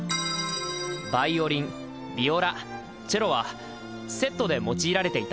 ヴァイオリンヴィオラチェロはセットで用いられていたんだよ。